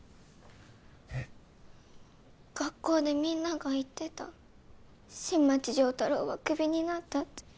えっ学校でみんなが言ってた新町亮太郎はクビになったって